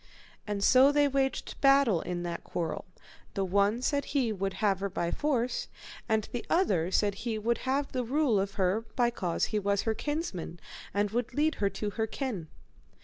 And so they waged battle in that quarrel, the one said he would have her by force, and the other said he would have the rule of her, by cause he was her kinsman, and would lead her to her kin.